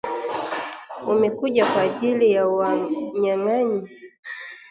Umekuja kwa ajili ya wanyang'anyi ?